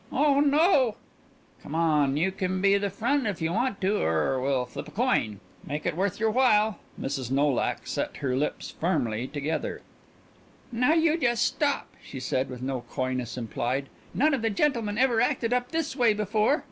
"Oh, no " "C'm on! You can be the front if you want to. Or we'll flip a coin." "Oh, no " "Make it worth your while." Mrs. Nolak set her lips firmly together. "Now you just stop!" she said with no coyness implied. "None of the gentlemen ever acted up this way before.